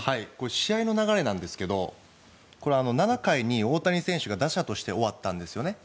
試合の流れなんですが７回に大谷選手が打者として終わったんですよね。